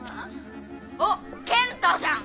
あっ健太じゃん。